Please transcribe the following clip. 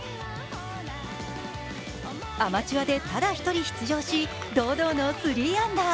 アマチュアでただ１人出場し、堂々の３アンダー。